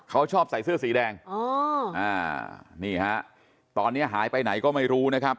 เขาชอบใส่เสื้อสีแดงอ๋ออ่านี่ฮะตอนนี้หายไปไหนก็ไม่รู้นะครับ